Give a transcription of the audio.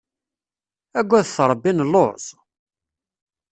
Agadet Rebbi, nelluẓ!